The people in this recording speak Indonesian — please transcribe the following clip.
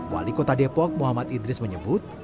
wali kota depok muhammad idris menyebut